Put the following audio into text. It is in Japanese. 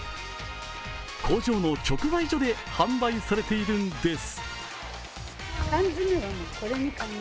工場の直売所で販売されているんです。